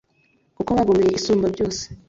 kuko bagomeye isumba byose